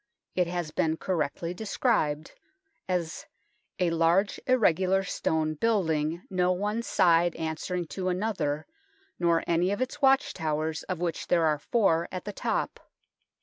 It has been correctly described as "a large, irregular stone building, no one side answer ing to another, nor any of its watch towers, of which there are four at the top."